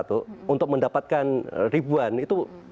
untuk mendapatkan ribuan itu